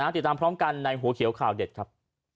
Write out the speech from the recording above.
ติดตามพร้อมกันในหัวเขียวข่าวเด็ดครับ